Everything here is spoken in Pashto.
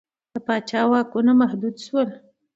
د پاچا واکونه محدود شول.